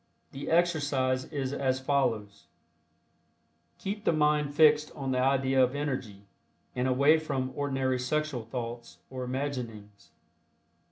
The exercise is as follows: Keep the mind fixed on the idea of Energy, and away from ordinary sexual thoughts or imaginings.